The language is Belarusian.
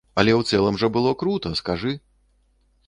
Але ў цэлым жа было крута, скажы?